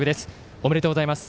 おめでとうございます。